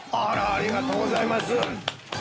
◆ありがとうございます！